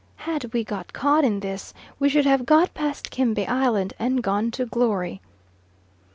Had we got caught in this, we should have got past Kembe Island, and gone to Glory.